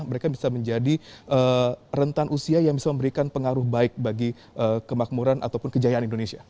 mereka bisa menjadi rentan usia yang bisa memberikan pengaruh baik bagi kemakmuran ataupun kejayaan indonesia